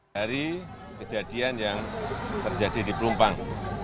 dari kejadian yang terjadi di pelumpang